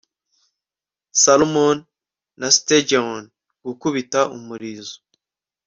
Salmon na sturgeon gukubita umurizo